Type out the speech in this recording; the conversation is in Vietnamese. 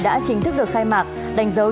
đã chính thức được khai mạc đánh dấu